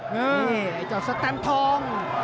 นี่ไอ้เจ้าสแตมทอง